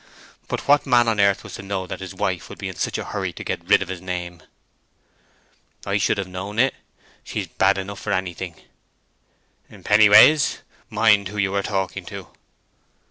But what man on earth was to know that his wife would be in such a hurry to get rid of his name!" "I should have known it. She's bad enough for anything." "Pennyways, mind who you are talking to."